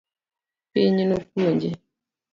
Piny nopuonje